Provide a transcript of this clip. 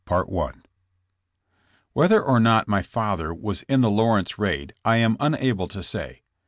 "lAT HETHER or not my father was in the Law , r.y., rence raid I am unable to say.